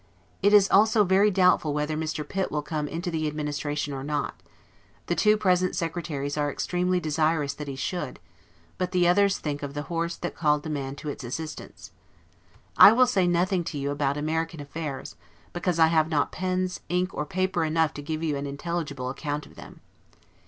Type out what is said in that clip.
It is also very doubtful whether Mr. Pitt will come into the Administration or not; the two present Secretaries are extremely desirous that he should; but the others think of the horse that called the man to its assistance. I will say nothing to you about American affairs, because I have not pens, ink, or paper enough to give you an intelligible account of them.